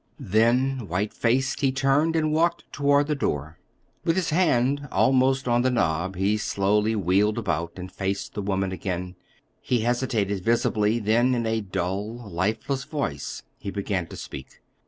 Then, white faced, he turned and walked toward the door. With his hand almost on the knob he slowly wheeled about and faced the woman again. He hesitated visibly, then in a dull, lifeless voice he began to speak.